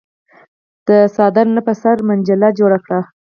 د څادر نه په سر منجيله جوړه کړه۔